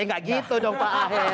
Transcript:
eh gak gitu dong pak aher